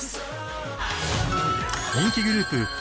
人気グループ